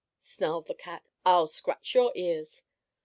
snarled the cat. "I'll scratch your ears!"